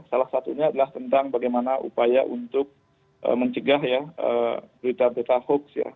salah satunya adalah tentang bagaimana upaya untuk mencegah ya berita berita hoax ya